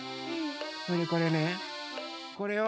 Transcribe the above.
それでこれねこれは。